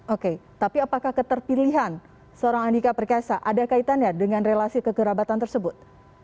oke tapi apakah keterpilihan seorang andika perkasa ada kaitannya dengan relasi kekerabatan tersebut